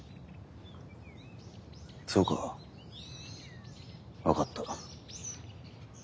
そうか分かった。